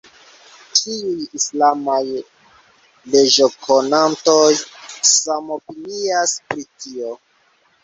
Ĉiuj islamaj leĝokonantoj samopinias pri tio.